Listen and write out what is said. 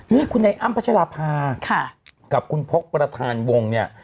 นี่คุณไอ้อ้ำพัชราภากับคุณพกประธานวงเนี่ย